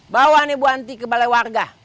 bawa nih buanti ke balai warga